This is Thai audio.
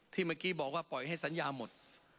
เมื่อกี้บอกว่าปล่อยให้สัญญาหมด